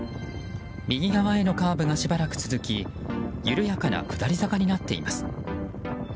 右側へのカーブがしばらく続き緩やかな下り坂になっています。